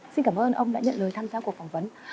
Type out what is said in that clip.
xin cảm ơn ông đã nhận lời tham gia cuộc phỏng vấn